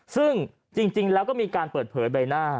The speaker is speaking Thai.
ซึ่งจริงแล้วก็มีการเปิดเผยใบหน้า